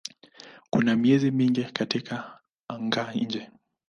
Kuna miezi mingi katika anga-nje.